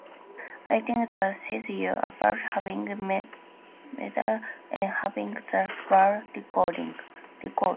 I think that sets you apart, having medals and having the World record.